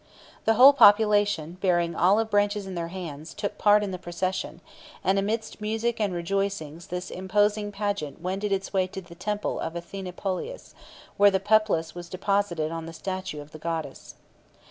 The whole population, bearing olive branches in their hands, took part in the procession; and amidst music and rejoicings this imposing pageant wended its way to the temple of Athene Polias, where the Peplus was deposited on the statue of the goddess.